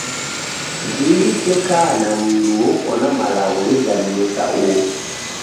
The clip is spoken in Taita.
Jingi se kana na mundu wokona malagho ghizamie sa uo.